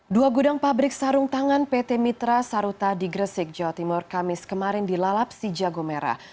dua gudang pabrik sarung tangan pt mitra saruta di gresik jawa timur kamis kemarin dilalap si jago merah